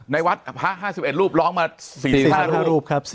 ในวัดภาพ๕๑รูปร้องมา๔๕รูป